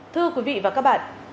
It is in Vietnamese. thưa quý vị và các bạn